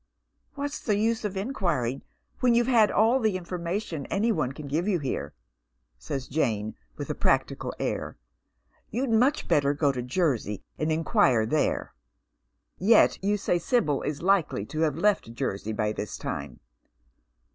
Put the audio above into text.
" What's the use of inquiring when you've had all the in formation any one can give you here ?" asks Jane, with a practical air. You'd much better go to Jersey and inquire there." *' Yet you say Sibyl is likely to have left Jersey by this time.